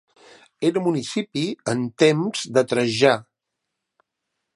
Era municipi en temps de Trajà.